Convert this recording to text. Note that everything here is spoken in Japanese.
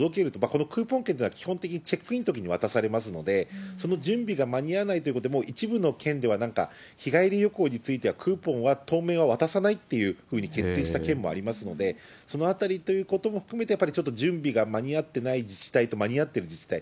このクーポン券というのは、基本的にチェックインのときに渡されますので、その準備が間に合わないということで、もう一部の県ではなんか日帰り旅行についてはクーポンは当面は渡さないというふうに決定した県もありますので、そのあたりということも含めて、やっぱりちょっと準備が間に合ってない自治体と、間に合ってる自治体、